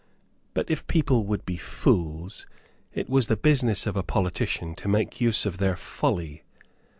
But if people would be fools, it was the business of a politician to make use of their folly.